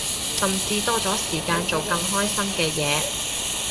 甚至多咗時間做更開心嘅嘢